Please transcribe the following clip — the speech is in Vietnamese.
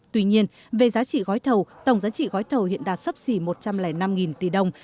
tuy nhiên về giá trị gói thầu tổng giá trị gói thầu hiện đạt sấp xỉ một trăm linh năm tỷ đồng